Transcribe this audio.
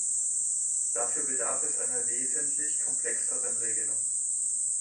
Dafür bedarf es einer wesentlich komplexeren Regelung.